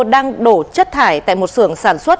đang đổ chất thải tại một sưởng sản xuất